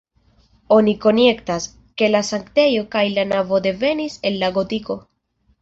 Oni konjektas, ke la sanktejo kaj la navo devenis el la gotiko.